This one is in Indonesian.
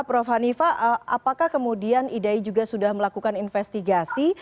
prof hanifah apakah kemudian idai juga sudah melakukan investigasi